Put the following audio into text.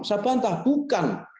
saya paham bukan